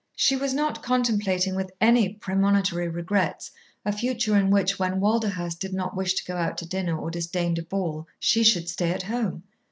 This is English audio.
She was not contemplating with any premonitory regrets a future in which, when Walderhurst did not wish to go out to dinner or disdained a ball, she should stay at home.